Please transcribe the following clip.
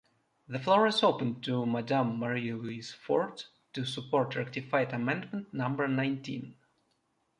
The floor is open to Madame Marie-Louise Fort, to support rectified amendment number nineteen.